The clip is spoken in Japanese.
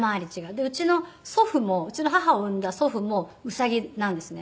でうちの祖父もうちの母を生んだ祖父もうさぎなんですね。